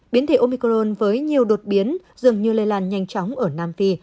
biến thể omicron với nhiều đột biến dường như lây lan nhanh chóng ở nam phi